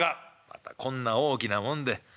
「またこんな大きなもんで。